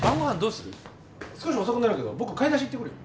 少し遅くなるけど僕買い出し行ってくるよ。